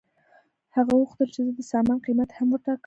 هغه وغوښتل چې زه د سامان قیمت هم وټاکم